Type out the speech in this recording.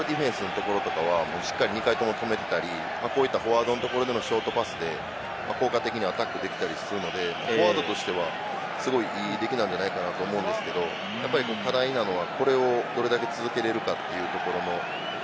チリ、モールディフェンスのところとかは、しっかり２回とも止めてたり、こういったフォワードのところでのショートパスとかも効果的にアタックできてたりするので、フォワードとしては、すごくいい出来なんじゃないかと思うんですけど、やっぱり課題なのは、これを続けられるかということ。